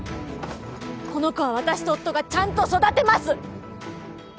この子は私と夫がちゃんと育てます！